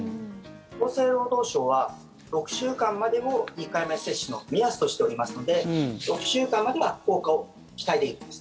厚生労働省は、６週間までも２回目接種の目安としておりますので６週間までは効果を期待できます。